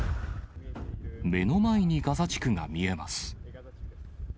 目の前にガザ地区が見えます。